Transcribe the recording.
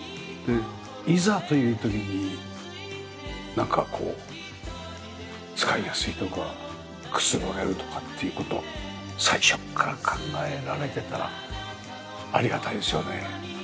いざという時になんかこう使いやすいとかくつろげるとかっていう事を最初から考えられてたらありがたいですよね。